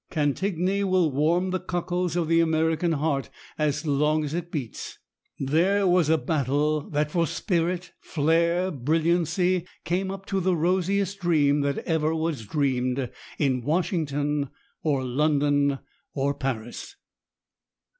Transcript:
Cantigny will warm the cockles of the American heart as long as it beats. There was a battle that for spirit, flare, brilliancy, came up to the rosiest dream that ever was dreamed, in Washington, or London, or Paris.